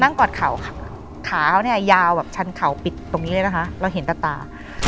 กอดเขาค่ะขาเขาเนี่ยยาวแบบชั้นเขาปิดตรงนี้เลยนะคะเราเห็นแต่ตา